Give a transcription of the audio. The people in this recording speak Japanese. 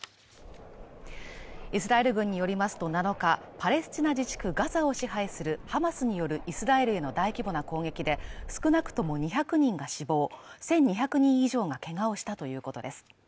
イスラエル軍によりますと７日、パレスチナ自治区ガザを支配するハマスによるイスラエルへの大規模な攻撃で少なくとも２００人が死亡、１２００人以上がけがをしたということです。